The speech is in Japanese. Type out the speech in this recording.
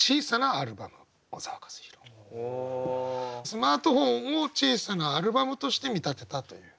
スマートフォンを「小さなアルバム」として見立てたという。